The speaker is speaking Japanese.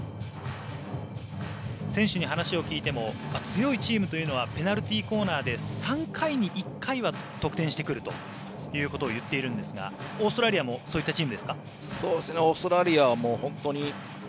選手に話を聞いても強いチームというのはペナルティーコーナーで３回に１回は得点してくるということを言っているんですがオーストラリアもそういったチームですか？